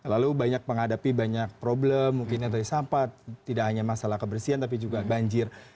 lalu banyak menghadapi banyak problem mungkin yang tadi sampah tidak hanya masalah kebersihan tapi juga banjir